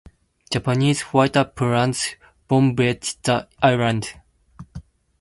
Japanese fighter planes bombed the island.